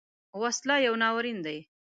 وسله یو ناورین دی